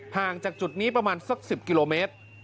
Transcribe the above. ห่างจากจุดนี้ประมาณสัก๑๐กิโลเมตร